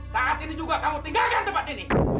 saat ini juga kamu tinggalkan tempat ini